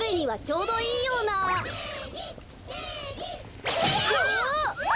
うわ！